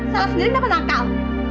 salah sendiri kenapa nakal